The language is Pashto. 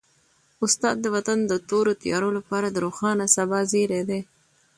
استاد د وطن د تورو تیارو لپاره د روښانه سبا زېری دی.